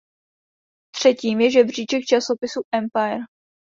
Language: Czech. Třetím je žebříček časopisu Empire.